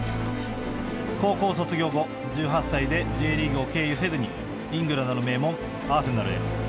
高校卒業後、１８歳でＪリーグを経由せずにイングランドの名門アーセナルへ。